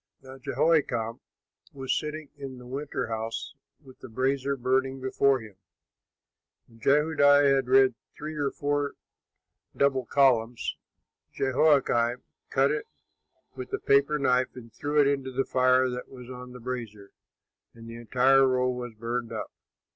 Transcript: Now Jehoiakim was sitting in the winter house with a brazier burning before him. When Jehudi had read three or four double columns, Jehoiakim cut it with a paper knife and threw it into the fire that was on the brazier, and the entire roll was burned up.